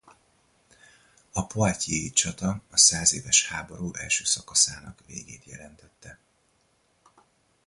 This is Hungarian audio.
A poitiers-i csata a százéves háború első szakaszának végét jelentette.